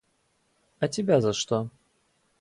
А тебя за что?